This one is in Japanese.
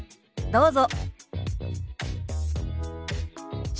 どうぞ。